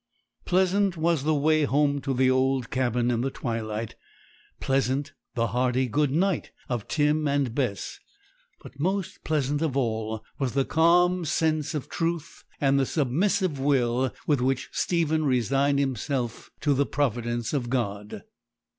Pleasant was the way home to the old cabin in the twilight; pleasant the hearty 'Good night' of Tim and Bess; but most pleasant of all was the calm sense of truth, and the submissive will with which Stephen resigned himself to the providence of God.